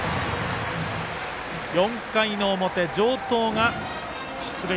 ４回の表、城東が出塁。